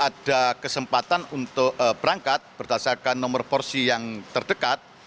ada kesempatan untuk berangkat berdasarkan nomor porsi yang terdekat